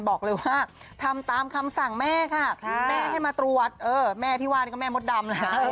บอกเลยว่าทำตามคำสั่งแม่ค่ะแม่ให้มาตรวจเออแม่ที่ว่านี่ก็แม่มดดำนะ